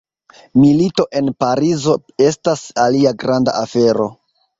Milito en Parizo estas alia granda afero.